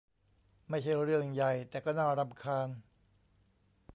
ไม่ใช่เรื่องใหญ่แต่ก็น่ารำคาญ